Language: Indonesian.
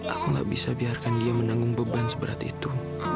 aku gak bisa biarkan dia menanggung beban seberat itu